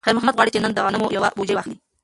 خیر محمد غواړي چې نن د غنمو یوه بوجۍ واخلي.